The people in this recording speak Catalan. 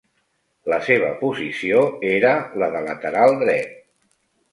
La seva posició era la de lateral dret.